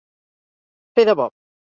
Fer de bo.